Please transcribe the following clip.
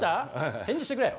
返事してくれよ。